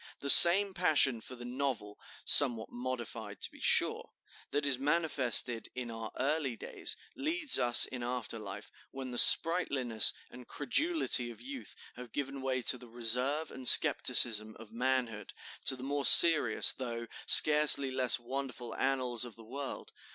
The same passion for the novel (somewhat modified, to be sure), that is manifested in our early days, leads us, in after life, when the sprightliness and credulity of youth have given way to the reserve and skepticism of manhood, to the more serious, though scarcely less wonderful annals of the world.